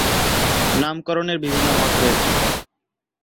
নামকরণের বিভিন্ন মত রয়েছে।